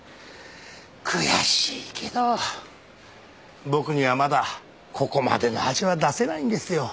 悔しいけど僕にはまだここまでの味は出せないんですよ。